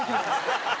ハハハハ！